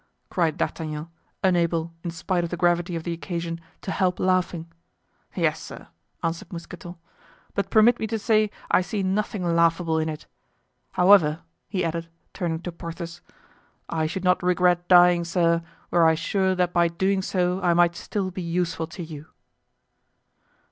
cried D'Artagnan, unable in spite of the gravity of the occasion to help laughing. "Yes, sir," answered Mousqueton; "but permit me to say I see nothing laughable in it. However," he added, turning to Porthos, "I should not regret dying, sir, were I sure that by doing so I might still be useful to you."